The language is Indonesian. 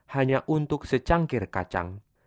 hanya untuk secangkir kacang